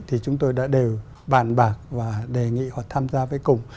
thì chúng tôi đã đều bàn bạc và đề nghị họ tham gia với cùng